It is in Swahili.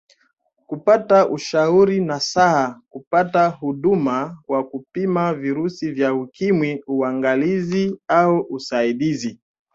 Kupata ushauri nasaha kupata huduma ya kupima virusi vya Ukimwi uangalizi au usaidizi